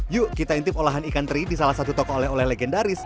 yuk kita intip olahan ikan teri di salah satu toko oleh oleh legendaris